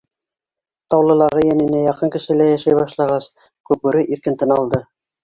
Таулылағы йәненә яҡын кешелә йәшәй башлағас, Күкбүре иркен тын алды.